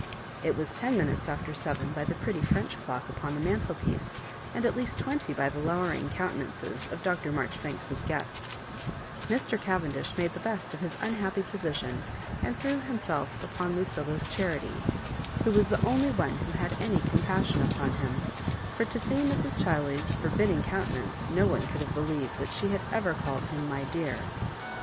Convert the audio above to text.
It was ten minutes after seven by the pretty French clock on the mantelpiece, and at least twenty by the lowering countenances of Dr. Marjoribanks's guestSw , Mr. Cavendish made the best of his unhappy position, and threw himself upon Lucilla's charity, who was the only one who had any compassion upon him ; for tf see Mrs. Chiley's forbidding countenance no one could have beUeved that she had ever called him " my dear.